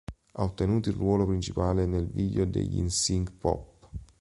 Ha ottenuto il ruolo principale nel video degli 'N Sync "Pop".